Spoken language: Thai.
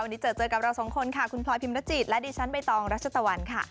วันนี้เจอเจอกับเราสองคนค่ะคุณพลอยพิมรจิตและดิฉันใบตองรัชตะวันค่ะ